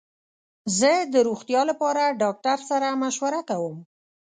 زه د روغتیا لپاره ډاکټر سره مشوره کوم.